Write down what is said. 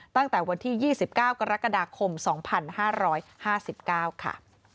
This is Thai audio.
ตั้งแต่วันที่๒๙กรกฎาคม๒๕๕๙ค่ะ